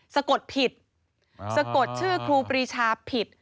สะกดผิดสะกดชื่อครูปรีชาผิด